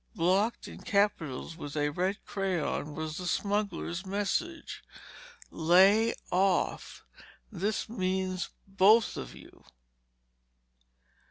Blocked in capitals with a red crayon was the smugglers' message. "LAY OFF! THIS MEANS BOTH OF YOU."